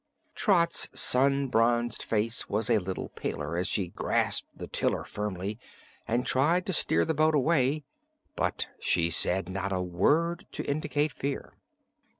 Trot's sun bronzed face was a little paler as she grasped the tiller firmly and tried to steer the boat away; but she said not a word to indicate fear.